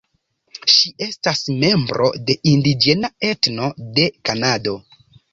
Ŝi estas membro de indiĝena etno de Kanado.